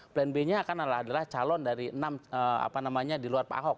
plan b nya kan adalah calon dari enam apa namanya di luar pak ahok